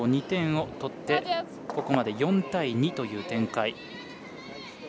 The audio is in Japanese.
２点を取ってここまで４対２という展開。